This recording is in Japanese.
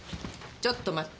ちょっと待った。